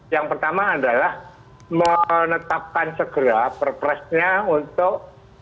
yang pertama adalah menetapkan segera perpresnya untuk